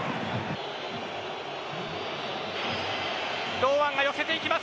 堂安が寄せていきます。